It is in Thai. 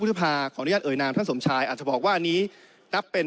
ภาขออนุญาตเอ่ยนามท่านสมชายอาจจะบอกว่าอันนี้นับเป็น